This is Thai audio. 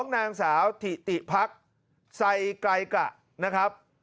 นางสาวถิติพักใส่ไกลกะนะครับ